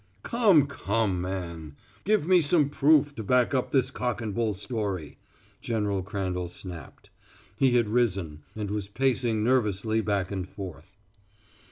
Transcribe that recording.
"Come come, man! Give me some proof to back up this cock and bull story," General Crandall snapped. He had risen, and was pacing nervously back and forth.